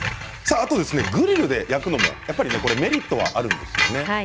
グリルで焼くのもメリットがあるんですよね。